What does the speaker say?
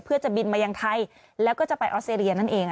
เพื่อจะบินมายังไทยแล้วก็จะไปออสเตรเลียนั่นเอง